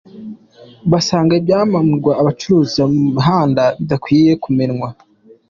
Basanga ibyamburwa abacururiza mu mihanda bidabikwiye kumenwa